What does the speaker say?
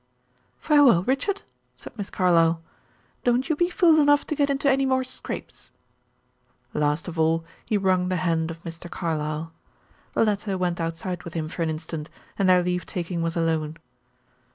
"Farewell, Richard," said Miss Carlyle; "don't you be fool enough to get into any more scrapes." Last of all he rung the hand of Mr. Carlyle. The latter went outside with him for an instant, and their leave taking was alone.